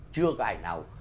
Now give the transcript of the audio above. chưa có ảnh nào